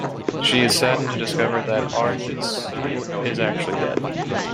She is saddened to discover that Arhys is actually dead.